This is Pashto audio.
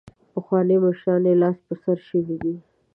پخواني مشران یې لاس په سر شوي دي.